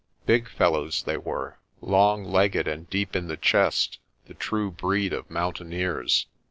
Big fellows they were, long legged and deep in the chest, the true breed of mountaineers.